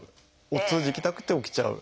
お通じ行きたくて起きちゃう。